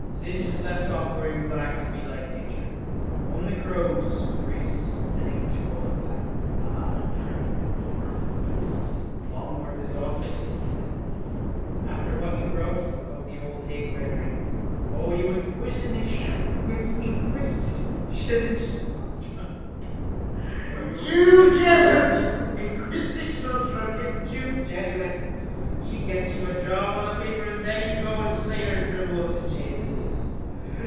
Synge has left off wearing black to be like nature. Only crows, priests and English coal are black. A laugh tripped over his lips. —Longworth is awfully sick, he said, after what you wrote about that old hake Gregory. O you inquisitional drunken jewjesuit! She gets you a job on the paper and then you go and slate her drivel to Jaysus.